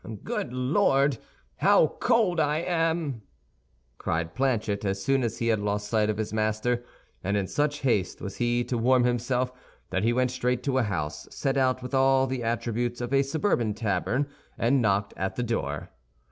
"Good Lord, how cold I am!" cried Planchet, as soon as he had lost sight of his master; and in such haste was he to warm himself that he went straight to a house set out with all the attributes of a suburban tavern, and knocked at the door.